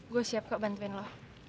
gue siap kok bantuin lo